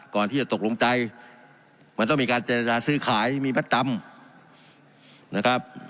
ก่อนที่จะตกลงใจมันต้องมีการจนและซื้อขายมีไม่ต่ำนะครับ